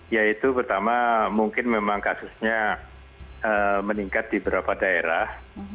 yaitu pertama mungkin memang kasusnya meningkat di beberapa daerah